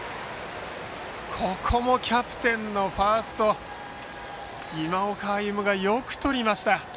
ここもキャプテンのファースト、今岡歩夢がよくとりました。